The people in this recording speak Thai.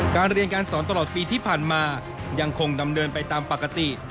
การเรียนการสอนตลอดปีที่ผ่านมายังคงดำเนินไปตามปกติ